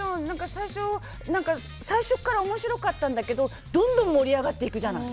最初から面白かったんだけどどんどん盛り上がっていくじゃない。